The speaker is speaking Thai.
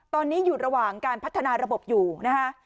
ตอนนี้อยู่ระหว่างการพัฒนาระบบอยู่นะคะ